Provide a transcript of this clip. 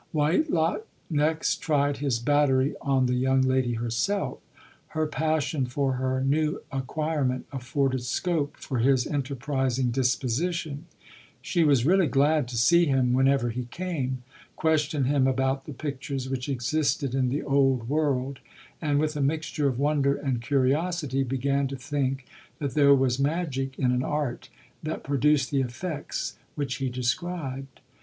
Whitelock next tried his battery on the young lady herself. Her passion for her new acquirement afforded scope for his enterprizing disposition. She was really glad to see him whenever he came ; questioned him about the pictures which existed in the old world, and, with a mixture of wonder and curiosity, began to think that there was magic in an art, that pro duced the effects which he described.